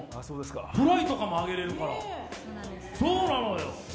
フライとかも上げれるから、そうなのよ。